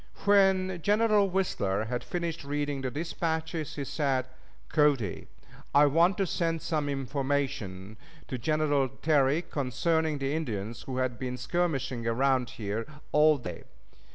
When General Whistler had finished reading the dispatches, he said: "Cody, I want to send some information to General Terry concerning the Indians who have been skirmishing around here all day.